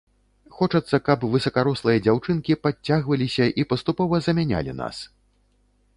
Хочацца, каб высакарослыя дзяўчынкі падцягваліся і паступова замянялі нас.